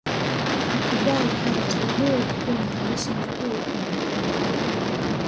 mfugale aliteuliwa kuwa mhandisi mkuu wa madaraja